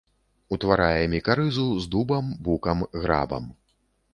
Утварае мікарызу з дубам, букам, грабам.